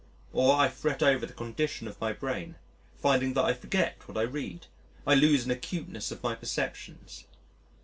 Or I fret over the condition of my brain, finding that I forget what I read, I lose in acuteness of my perceptions.